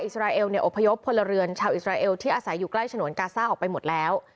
สราเอลเนี่ยอบพยพพลเรือนชาวอิสราเอลที่อาศัยอยู่ใกล้ฉนวนกาซ่าออกไปหมดแล้ว